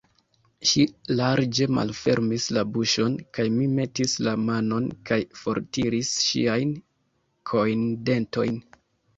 Ŝi larĝe malfermis la buŝon, kaj mi metis la manon kaj fortiris ŝiajn kojndentojn.